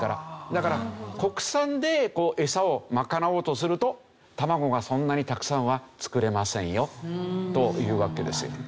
だから国産でエサを賄おうとすると卵がそんなにたくさんは作れませんよというわけですよね。